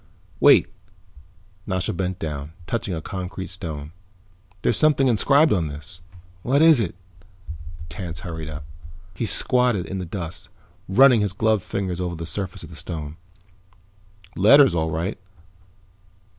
"Wait." Nasha bent down, touching a concrete stone. "There's something inscribed on this." "What is it?" Tance hurried up. He squatted in the dust, running his gloved fingers over the surface of the stone. "Letters, all right."